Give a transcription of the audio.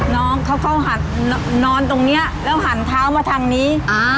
น้องเขาเข้าหันนอนตรงนี้แล้วหันเท้ามาทางนี้